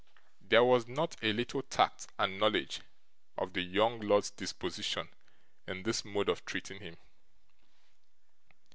There was not a little tact and knowledge of the young lord's disposition in this mode of treating him.